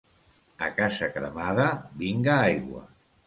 A casa cremada, vinga aigua.